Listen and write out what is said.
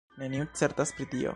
Neniu certas pri tio.